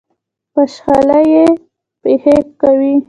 بخْشالۍ یې پېښې کوي.